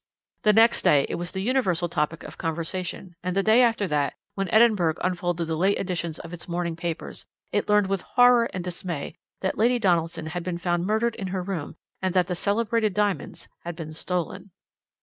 The next day it was the universal topic of conversation, and the day after that, when Edinburgh unfolded the late editions of its morning papers, it learned with horror and dismay that Lady Donaldson had been found murdered in her room, and that the celebrated diamonds had been stolen.